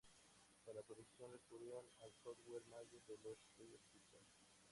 Para la producción recurrieron al software Maya de los estudios Pixar.